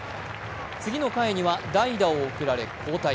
次の回には代打を送られ交代。